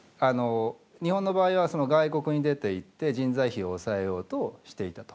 日本の場合は外国に出ていって人材費を抑えようとしていたとかつては。